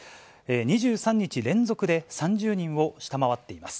２３日連続で３０人を下回っています。